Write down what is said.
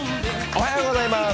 おはようございます。